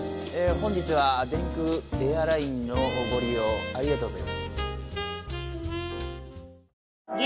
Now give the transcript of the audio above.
本日は電空エアラインのごりようありがとうございます。